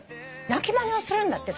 鳴きまねをするんだって。